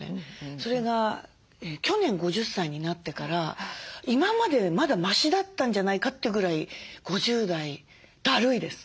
それが去年５０歳になってから今までまだましだったんじゃないかというぐらい５０代だるいです。